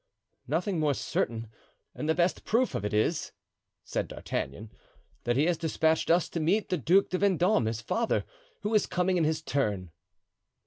"Nothing more certain; and the best proof of it is," said D'Artagnan, "that he has dispatched us to meet the Duc de Vendome, his father, who is coming in his turn."